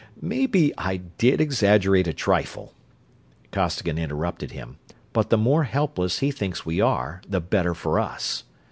"Maybe I did exaggerate a trifle," Costigan interrupted him, "but the more helpless he thinks we are the better for us.